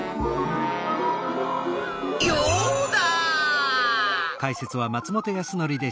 ヨウダ！